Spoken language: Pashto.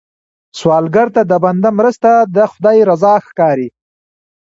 سوالګر ته د بنده مرسته، د خدای رضا ښکاري